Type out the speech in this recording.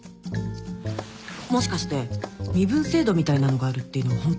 もしかして身分制度みたいなのがあるっていうのホント？